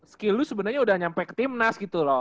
skill lu sebenernya udah nyampe ke timnas gitu loh